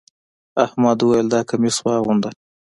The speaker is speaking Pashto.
احمد وويل: دا کميس واغونده.